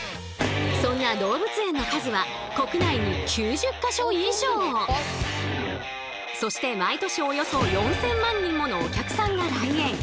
そんな動物園の数はそして毎年およそ４，０００万人ものお客さんが来園。